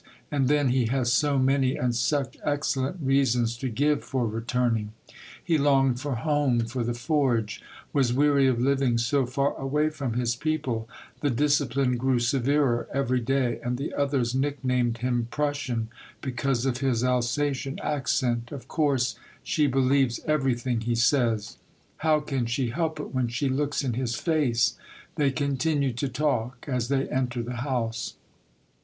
And then he has so many and such excellent reasons to give for re turning, — he longed for home, for the forge, was weary of living so far away from his people ; the discipline grew severer every day, and the others nicknamed him " Prussian !" because of his Alsa tian accent. Of course she believes everything he says. How can she help it when she looks in his face ?. They continue to talk, as they enter the house.